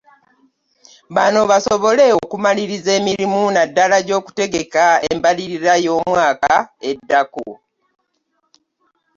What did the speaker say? Bano basobole okumaliriza emirimu naddala egy'okuteekateeka embalirira ya ey'omwaka eddako.